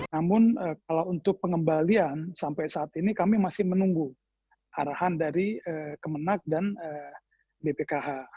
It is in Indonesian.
namun kalau untuk pengembalian sampai saat ini kami masih menunggu arahan dari kemenang dan bpkh